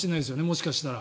もしかしたら。